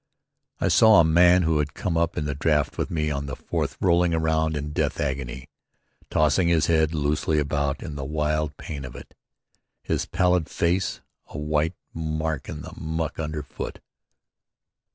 ] I saw a man who had come up in the draft with me on the 4th, rolling around in the death agony, tossing his head loosely about in the wild pain of it, his pallid face a white mark in the muck underfoot.